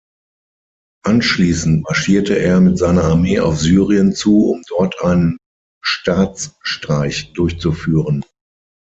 Anschließend marschierte er mit seiner Armee auf Syrien zu, um dort einen Staatsstreich durchzuführen.